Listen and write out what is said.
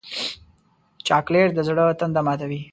چاکلېټ د زړه تنده ماتوي.